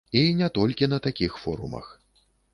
І не толькі на такіх форумах.